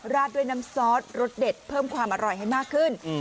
ราดด้วยน้ำซอสรสเด็ดเพิ่มความอร่อยให้มากขึ้น